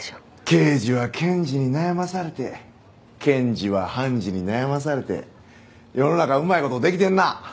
刑事は検事に悩まされて検事は判事に悩まされて世の中うまい事できてんなあ。